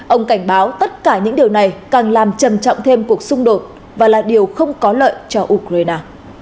ông cảnh báo tất cả những điều này càng làm trầm trọng thêm cuộc xung đột và là điều không có lợi cho ukraine